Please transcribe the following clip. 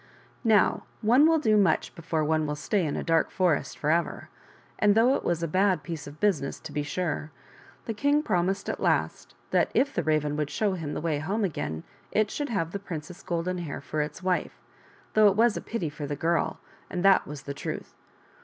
Now one will do much before one will stay in a dark forest forever, and though it was a bad piece of business to be sure, the king promised at last that if the Raven would show him the way home again, it should have the Princess Golden Hair for its wife, though it was a pity for the girl, and that was the truth.